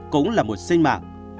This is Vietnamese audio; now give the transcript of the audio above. cũng là một sinh mạng